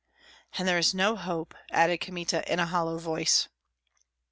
"And there is no hope," added Kmita, in a hollow voice.